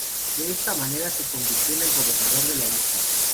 De esta manera se convirtió en el gobernador de la isla.